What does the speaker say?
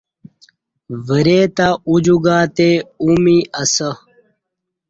وری تہ اُجو گاتے او می اسہ